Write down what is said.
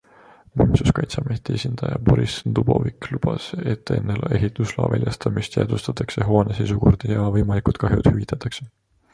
Muinsuskaitseameti esindaja Boris Dubovik lubas, et enne ehitusloa väljastamist jäädvustatakse hoone seisukord ja võimalikud kahjud hüvitatakse.